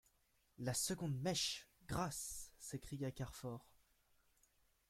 La seconde mèche ! Grâce ! s'écria Carfor.